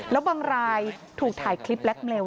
แล้วบางรายถูกถ่ายคลิปแล็คเมล